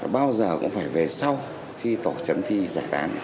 bao giờ cũng phải về sau khi tổ chấm thi giải tán